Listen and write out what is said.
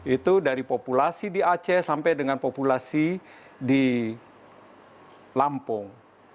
itu dari populasi di aceh sampai dengan populasi di lampung